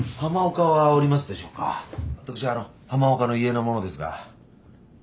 私あの浜岡の家の者ですが。